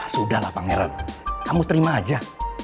sudahlah pangeran kamu terima aja